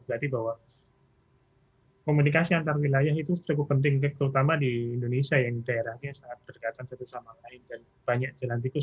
berarti bahwa komunikasi antar wilayah itu cukup penting terutama di indonesia yang daerahnya sangat berdekatan satu sama lain dan banyak jalan tikus